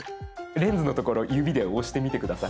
レンズのところ指で押してみて下さい。